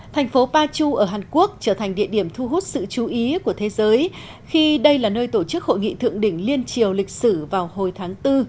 thành phố pachu ở hàn quốc trở thành địa điểm thu hút sự chú ý của thế giới khi đây là nơi tổ chức hội nghị thượng đỉnh liên triều lịch sử vào hồi tháng bốn